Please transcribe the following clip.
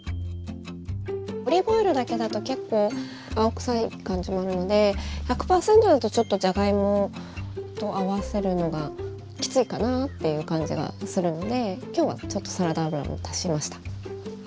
オリーブオイルだけだと結構青臭い感じもあるので１００％だとちょっとじゃがいもと合わせるのがきついかなっていう感じがするので今日はちょっとサラダ油も足しました。